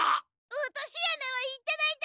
落とし穴はいただいた！